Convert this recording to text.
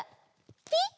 ピッ！